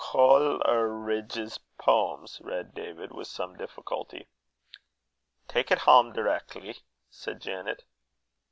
"Col e ridge's Poems," read David, with some difficulty. "Tak' it hame direckly," said Janet.